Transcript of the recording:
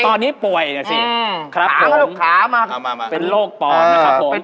ตอนนี้ป่วยน่ะสิครับผมขามาลูกขามา